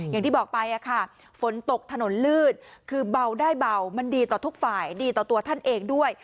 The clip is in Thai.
อย่างที่บอกไปค่ะฝนตกถนนลืดคือเบาได้เบามันดีต่อทุกฝ่ายดีต่อตัวท่านเองด้วย